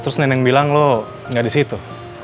terus nenek bilang lo gak disitu